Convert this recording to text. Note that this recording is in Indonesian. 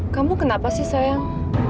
kamu kenapa sih sayang